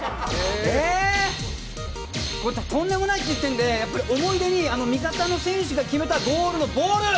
とんでもないって言っているので思い出に味方の選手が決めたゴールのボール